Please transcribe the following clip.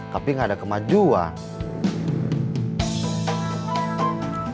tapi nggak ada kemajuan